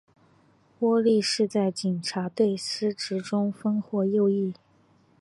窝利士在警察队司职中锋或右翼。